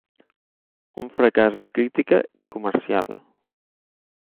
Un fracàs de crítica i comercial.